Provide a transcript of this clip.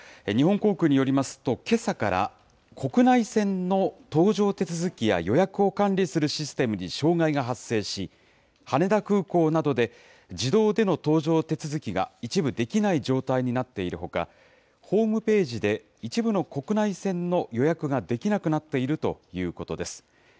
日本航空によりますと、けさから国内線の搭乗手続きや予約を管理するシステムに障害が発生し、羽田空港などで自動での搭乗手続きが一部できない状態になっているほか、ホームページで一部の国内線の予約ができなくなっているということです。